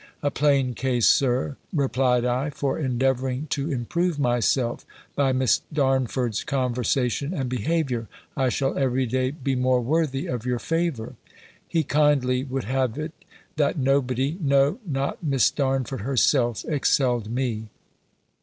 "A plain case, Sir," replied I: "for endeavouring to improve myself by Miss Darnford's conversation and behaviour, I shall every day be more worthy of your favour." He kindly would have it, that nobody, no, not Miss Darnford herself, excelled me.